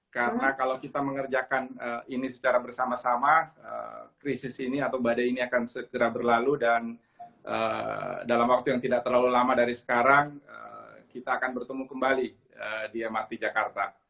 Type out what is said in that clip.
karena kalau kita mengerjakan ini secara bersama sama krisis ini atau badai ini akan segera berlalu dan dalam waktu yang tidak terlalu lama dari sekarang kita akan bertemu kembali di mrt jakarta